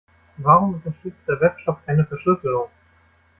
Warum unterstützt der Webshop keine Verschlüsselung?